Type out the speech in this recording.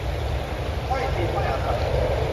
ถ้อยทีถ้อยอาศัย